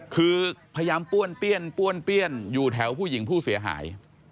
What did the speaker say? คือพยายามป้วนเปรี้ยนอยู่แถวผู้หญิงผู้เสียหาย